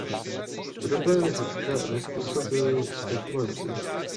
Problémy Řecka nezpůsobili spekulanti.